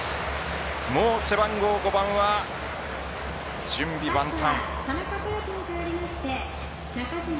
もう背番号５番は準備万端。